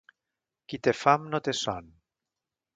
Qui té fam no té son.